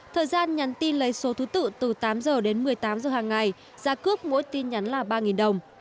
thời gian nhắn tin lấy số thứ tự từ tám h đến một mươi tám h hàng ngày giá cước mỗi tin nhắn là ba đồng